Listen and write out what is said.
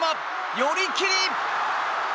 寄り切り。